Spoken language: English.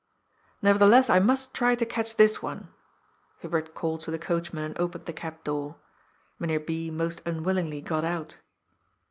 " Nevertheless I must try to catch this one." Hubert called to the coachman and opened the cab door. Mynheer B. most unwillingly got out.